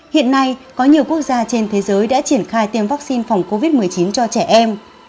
hiện nay có nhiều quốc gia trên thế giới đã triển khai tiêm vaccine phòng covid một mươi chín cho trẻ em